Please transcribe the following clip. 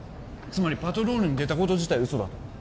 つまりパトロールに出たこと自体嘘だと？